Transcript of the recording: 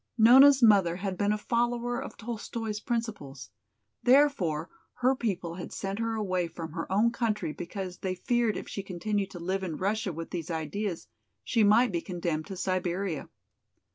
Nona's mother had been a follower of Tolstoi's principles; therefore, her people had sent her away from her own country because they feared if she continued to live in Russia with these ideas she might be condemned to Siberia.